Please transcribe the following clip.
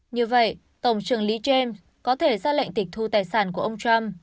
như vậy tổng trưởng lý james có thể ra lệnh tịch thu tài sản của ông trump